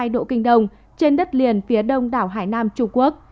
một trăm một mươi hai độ kinh đông trên đất liền phía đông đảo hải nam trung quốc